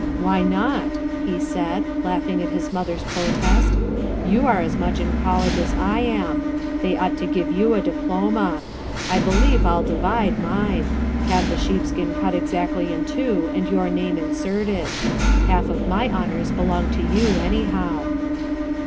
"Why not?" he said, laughing at his mother's protest. " You are as much in college as I am . They ought to give you a diploma. I believe I'll divide mine; have the sheepskin cut exactly in two, and your name inserted. Half of my honors belong to you, anyhow."